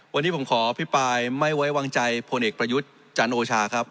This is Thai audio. วันนี้ผมขออภิปรายไม่ไว้วางใจพลเอกประยุทธ์จันโอชาครับ